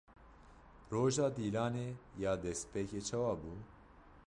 Roja Dîlanê ya destpêkê çawa bû?